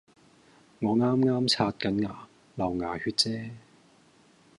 我啱啱刷緊牙，流牙血啫